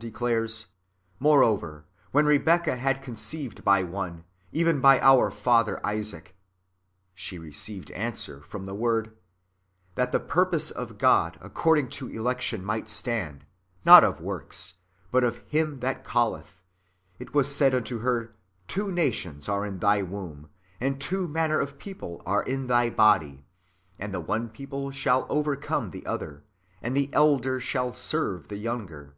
declares :'' Moreover, when Rebecca had conceived by one, even by our father Isaac," she received answer^ from the Word, '' that the purpose of God according to election might stand, not of works, but of him that calleth, it was said unto her, Two nations are in thy womb, and two manner of people are in thy body ; and the one people shall over come the other, and the elder shall serve the younger."